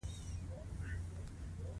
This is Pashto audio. ګيلاس يې په دروازه کې تش کړ.